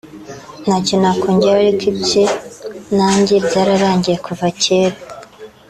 Ntacyo nakongeraho ariko ibye na njye byararangiye kuva kera…